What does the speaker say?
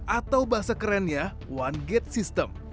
atau bahasa kerennya one gate system